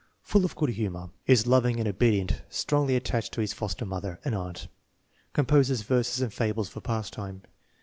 Full of good humor. Is loving and obedient, strongly attached to his foster mother (an aunt). Composes verses and fables for pastime.